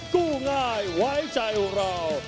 กูง่ายไว้ใจของเรา